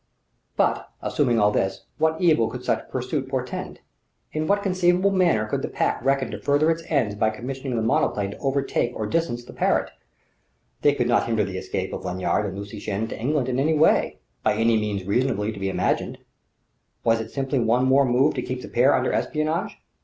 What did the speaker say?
But assuming all this what evil could such pursuit portend? In what conceivable manner could the Pack reckon to further its ends by commissioning the monoplane to overtake or distance the Parrott? They could not hinder the escape of Lanyard and Lucy Shannon to England in any way, by any means reasonably to be imagined. Was this simply one more move to keep the pair under espionage?